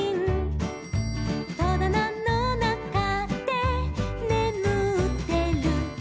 「とだなのなかでねむってる」